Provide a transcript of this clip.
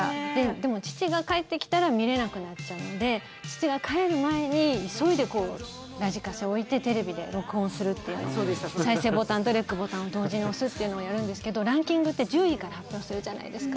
でも父が帰ってきたら見れなくなっちゃうので父が帰る前に急いでラジカセを置いてテレビで録音するという再生ボタンとレックボタンを同時に押すというのをやるんですけどランキングって１０位から発表するじゃないですか。